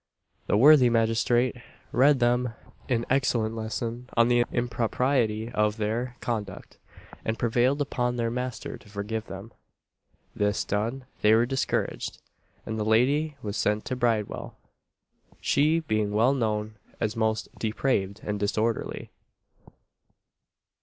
The worthy magistrate read them an excellent lesson on the impropriety of their conduct, and prevailed upon their master to forgive them. This done, they were discharged; and the lady was sent to Bridewell she being well known as most depraved and disorderly.